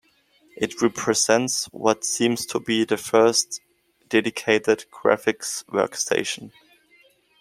It represents what seems to be the first dedicated graphics workstation.